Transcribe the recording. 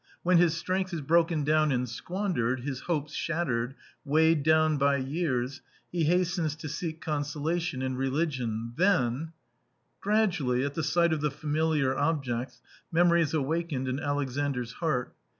when his strength is broken and squandered, his hopes shattered, weighed down by years, he hastens to seek consolation in religion, then " Gradually, at the sight of the familiar objects, memories awakened in Alexandra heart.